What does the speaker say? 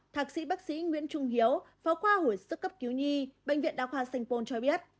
thạc sĩ bác sĩ nguyễn trung hiếu phó khoa hồi sức cấp cứu nhi bệnh viện đa khoa sanh pôn cho biết